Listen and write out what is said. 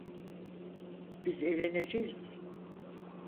Biz evleneceğiz.